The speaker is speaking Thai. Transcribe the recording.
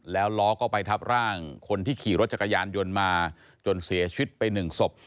แล้วล้อก็ไปทับร่างคนที่ขี่รถจักรยานยนต์มาจนเสียชีวิตไปหนึ่งศพ